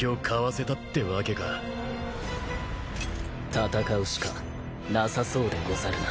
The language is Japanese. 戦うしかなさそうでござるな。